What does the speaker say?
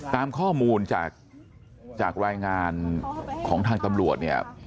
ตามข้อมูลจากรายงานของทางตำรวจเนี่ย